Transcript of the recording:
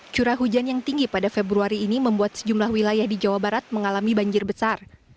curah hujan yang tinggi pada februari ini membuat sejumlah wilayah di jawa barat mengalami banjir besar